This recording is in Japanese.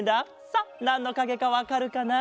さあなんのかげかわかるかな？